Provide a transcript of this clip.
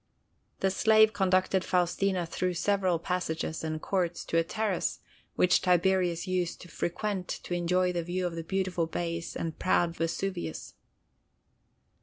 The slave conducted Faustina through several passages and courts to a terrace which Tiberius used to frequent to enjoy the view of the beautiful bays and proud Vesuvius.